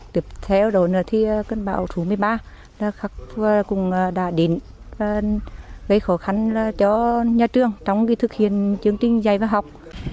tiếp theo đổi nửa thì cơn bão số một mươi ba cũng đã đến gây khó khăn cho nhà trường trong khi thực hiện chương trình dạy và học